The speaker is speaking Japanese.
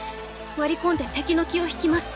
割り込んで敵の気を引きます。